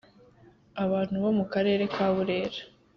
Abantu bo mu karere ka burera.